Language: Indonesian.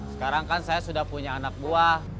sekarang kan saya sudah punya anak buah